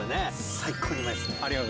最高にうまいですね。